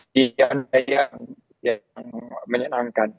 tidak ada yang menyenangkan